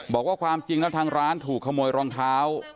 บอกว่าความจริงแล้วทางร้านถูกขโมยรองเท้า